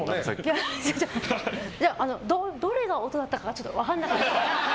いやあの、どれが音だったかちょっと分かんなかった。